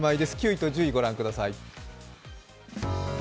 ９位と１０位ご覧ください。